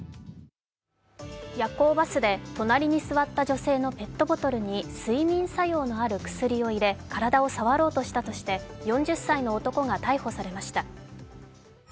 夜行バスで、隣に座った女性のペットボトルに睡眠作用のある薬を入れ体を触ろうとしたとして４０歳の男が逮捕されました。